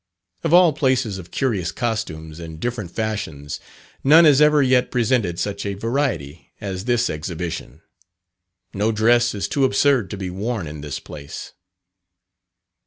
Of all places of curious costumes and different fashions, none has ever yet presented such a variety as this Exhibition. No dress is too absurd to be worn in this place.